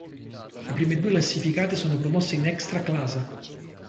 Le prime due classificate sono promosse in Ekstraklasa.